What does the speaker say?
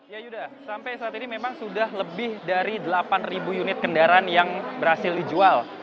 ya yuda sampai saat ini memang sudah lebih dari delapan unit kendaraan yang berhasil dijual